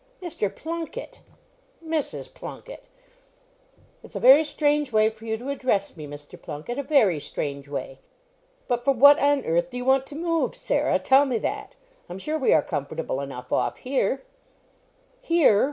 "Mr. Plunket!" "Mrs. Plunket!" "It's a very strange way for you to address me, Mr. Plunket. A very strange way!" "But for what on earth do you want to move, Sarah? Tell me that. I'm sure we are comfortable enough off here." "Here!